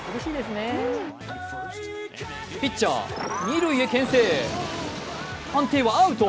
ピッチャー二塁へけん制判定はアウト。